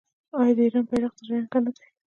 آیا د ایران بیرغ درې رنګه نه دی؟